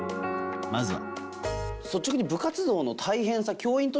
まずは。